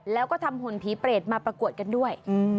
แล้วก็ทำหุ่นผีเปรตมาประกวดกันด้วย